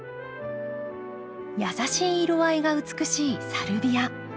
優しい色合いが美しいサルビア。